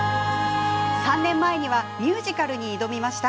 ３年前にはミュージカルに挑みました。